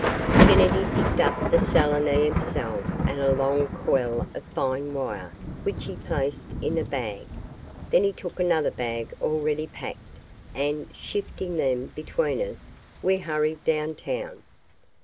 Kennedy picked up the selenium cell and a long coil of fine wire which he placed in a bag. Then he took another bag already packed and, shifting them between us, we hurried down town.